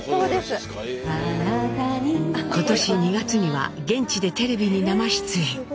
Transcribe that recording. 今年２月には現地でテレビに生出演。